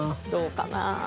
どうかな。